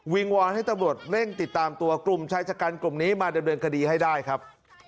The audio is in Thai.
วอนให้ตำรวจเร่งติดตามตัวกลุ่มชายชะกันกลุ่มนี้มาดำเนินคดีให้ได้ครับ